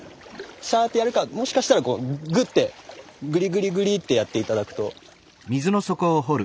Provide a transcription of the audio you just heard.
シャってやるかもしかしたらこうグッてグリグリグリってやって頂くと。